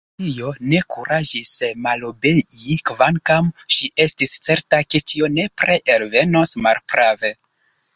Alicio ne kuraĝis malobei, kvankam ŝi estis certa ke ĉio nepre elvenos malprave.